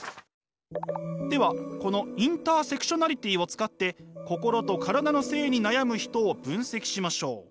ではこのインターセクショナリティを使って心と体の性に悩む人を分析しましょう。